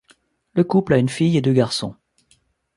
Le couple a une fille et deux garçons.